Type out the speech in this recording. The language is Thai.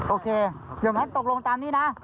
โอเคเดี๋ยวนั้นตกลงตามนี้นะ